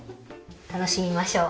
楽しみましょう。